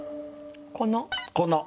「この」